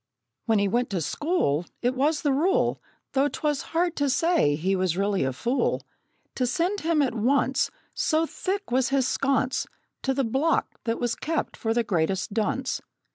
When he went to school, It was the rule (Though 'twas hard to say he was really a fool) To send him at once, So thick was his sconce, To the block that was kept for the greatest dunce.